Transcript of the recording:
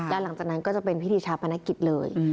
แล้วหลังจากนั้นก็จะเป็นพิธีชาปนกิจเลย